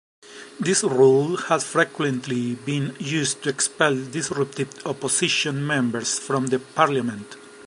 This rule has frequently been used to expel disruptive opposition members from the parliament.